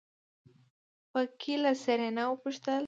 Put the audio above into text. په کې له سېرېنا وپوښتل.